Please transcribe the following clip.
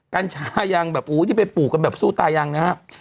กัญชายังแบบอู๋ที่ไปปลูกกันแบบสู้ตายังนะครับ